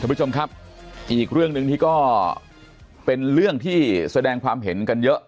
ผู้ชมครับอีกเรื่องหนึ่งที่ก็เป็นเรื่องที่แสดงความเห็นกันเยอะ